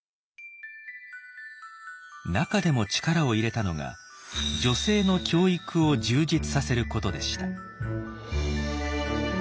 中でも力を入れたのが女性の教育を充実させることでした。